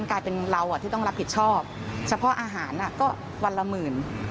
กลายเป็นเราที่ต้องรับผิดชอบเฉพาะอาหารก็วันละหมื่น